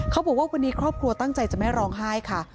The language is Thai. เขาบอกว่าวันนี้ครอบครัวตั้งใจจะไม่ร้องไห้ค่ะ